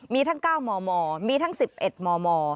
มีทั้ง๙มมมีทั้ง๑๑มม